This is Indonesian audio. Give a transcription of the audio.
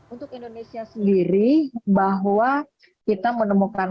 untuk indonesia sendiri bahwa kita menemukan